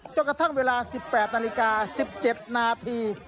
จนกระทั่งเวลา๑๘นาฬิกา๑๗นาที